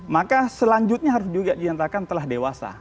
maka selanjutnya harus juga dinyatakan telah dewasa